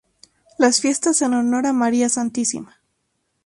Las Fiestas en honor de María Stma.